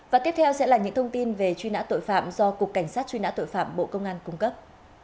và tiếp theo sẽ là những thông tin về truy nã tội phạm do cục cảnh sát truy nã tội phạm bộ công an cung cấp